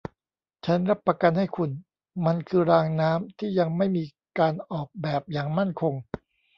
ฉันรับประกันให้คุณ มันคือรางน้ำที่ยังไม่มีการออกแบบอย่างมั่นคง